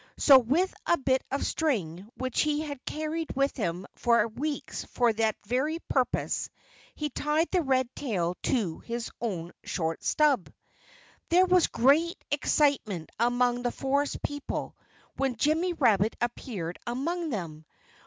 So with a bit of string which he had carried with him for weeks for that very purpose, he tied the red tail to his own short stub. There was great excitement among the forest people when Jimmy Rabbit appeared among them.